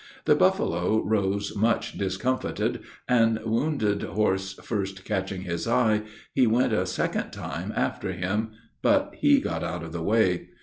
The buffalo rose much discomfitted, and, the wounded horse first catching his eye, he went a second time after him; but he got out of the way.